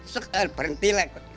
sesek berenti lek itu